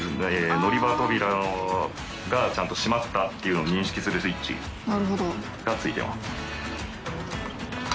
乗り場扉がちゃんと閉まったっていうのを認識するスイッチがついてます。